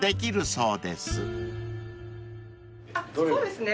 そうですね